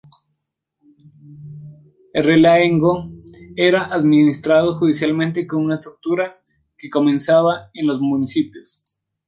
El realengo era administrado judicialmente con una estructura que comenzaba en los municipios.